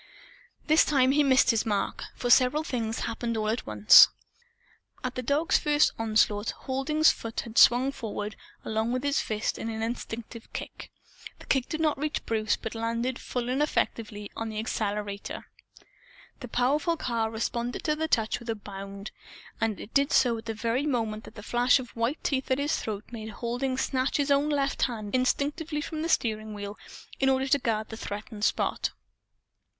This time he missed his mark for several things happened all at once. At the dog's first onslaught, Halding's foot had swung forward, along with his fist, in an instinctive kick. The kick did not reach Bruce. But it landed, full and effectively, on the accelerator. The powerful car responded to the touch with a bound. And it did so at the very moment that the flash of white teeth at his throat made Halding snatch his own left hand instinctively from the steering wheel, in order to guard the threatened spot.